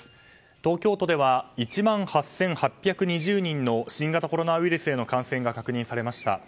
東京都では１万８８２０人の新型コロナウイルスへの感染が確認されました。